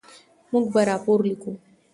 موږ به راپور لیکو.